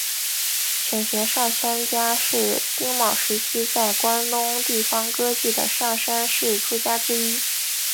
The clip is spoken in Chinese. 犬悬上杉家是室町时代在关东地方割据的上杉氏诸家之一。